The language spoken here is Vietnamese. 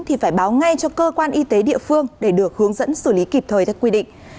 thì phải báo ngay cho cơ quan y tế địa phương để được hướng dẫn xử lý kịp thời theo quy định